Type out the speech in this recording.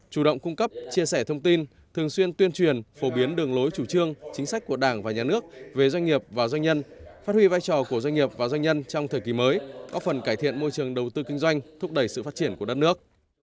chủ động cung cấp chia sẻ thông tin thường xuyên tuyên truyền phổ biến đường lối chủ trương chính sách của đảng và nhà nước về doanh nghiệp và doanh nhân phát huy vai trò của doanh nghiệp và doanh nhân trong thời kỳ mới có phần cải thiện môi trường đầu tư kinh doanh thúc đẩy sự phát triển của đất nước